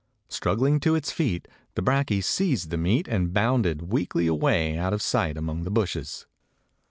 Struggling to its feet, the brakje seized the meat and bounded weakly away out of sight among the bushes.